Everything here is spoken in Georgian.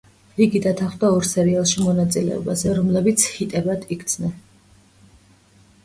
იგი დათანხმდა ორ სერიალში მონაწილეობაზე, რომლებიც ჰიტებად იქცნენ.